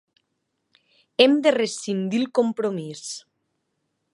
Hem de rescindir el compromís.